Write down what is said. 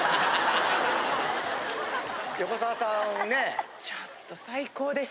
横澤さんねぇ？